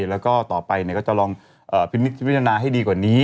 แล้วก็ต่อไปก็จะลองพิจารณาให้ดีกว่านี้